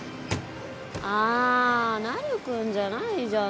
ああなるくんじゃないじゃん